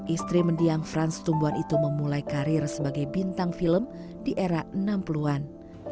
istri mendiang frans tumbuhan itu memulai karir sebagai bintang film di era enam puluh an